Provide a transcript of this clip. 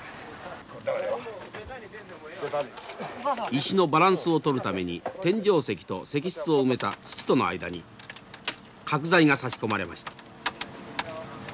石のバランスをとるために天井石と石室を埋めた土との間に角材が差し込まれました。